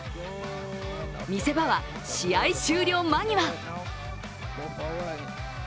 見せ場は試合終了間際。